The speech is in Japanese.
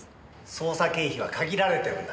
捜査経費は限られてるんだ。